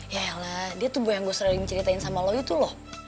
ya ya lah dia tuh boy yang gue sering ceritain sama lo itu loh